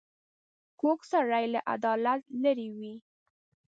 کوږ سړی له عدالت لیرې وي